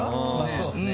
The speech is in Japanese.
そうっすね。